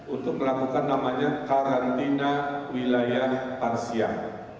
untuk melakukan namanya karantina wilayah parsial